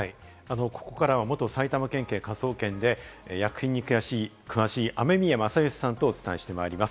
ここからは元埼玉県警科捜研で薬品に詳しい雨宮正欣さんとお伝えしてまいります。